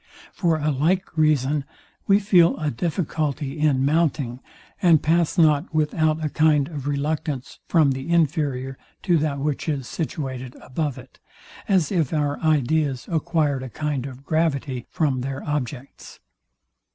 For a like reason we feel a difficulty in mounting, and pass not without a kind of reluctance from the inferior to that which is situated above it; as if our ideas acquired a kind of gravity from their objects.